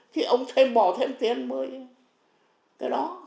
thì ông thêm bỏ thêm tiền một mươi cái đó